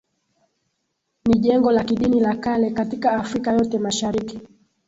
Ni jengo la kidini la kale katika Afrika yote Mashariki